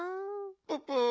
ププ。